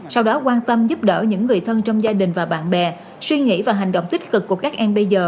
sau đó quan tâm giúp đỡ những người thân trong gia đình và bạn bè suy nghĩ và hành động tích cực của các em bây giờ